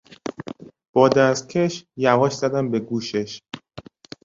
با دستکش یواش زدم به گوشش